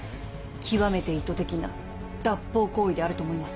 極めて意図的な脱法行為であると思います。